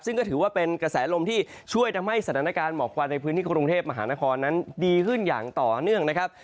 ซึ่งก็ถือว่าเป็นกระแสลมที่ช่วยทำให้สถานการณ์หมอกควันในพื้นที่กรุงเทพมหานครนั้นดีขึ้นอย่างต่อเนื่องนะครับ